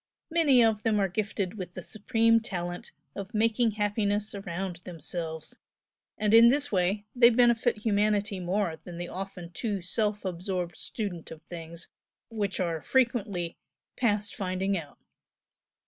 Many of them are gifted with the supreme talent of making happiness around themselves, and in this way they benefit humanity more than the often too self absorbed student of things which are frequently "past finding out."